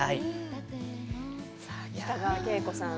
北川景子さん